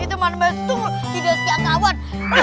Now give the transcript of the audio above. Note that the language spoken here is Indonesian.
itu mana bestung tidak setiap kawan